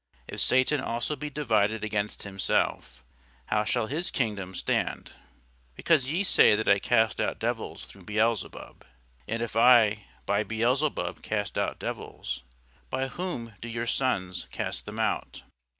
If Satan also be divided against himself, how shall his kingdom stand? because ye say that I cast out devils through Beelzebub. And if I by Beelzebub cast out devils, by whom do your sons cast them out?